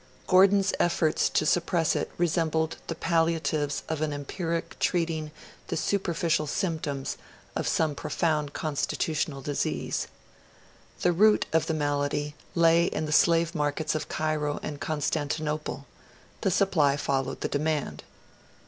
Gordon's efforts to suppress it resembled the palliatives of an empiric treating the superficial symptoms of some profound constitutional disease. The root of the malady lay in the slave markets of Cairo and Constantinople: the supply followed the demand.